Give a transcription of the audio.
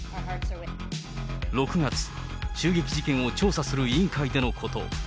６月、襲撃事件を調査する委員会でのこと。